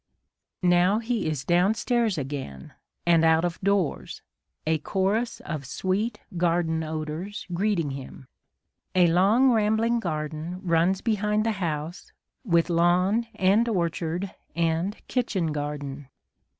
Now he is downstairs again and out of doors, a chorus of sweet garden odours greeting him. A long rambling garden runs behind the house, with lawn and orchard and kitchen garden.